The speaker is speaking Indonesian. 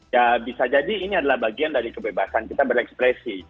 ya bisa jadi ini adalah bagian dari kebebasan kita berekspresi